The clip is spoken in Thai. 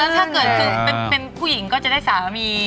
ถ้าเกิดคือเป็นผู้หญิงก็จะได้สามี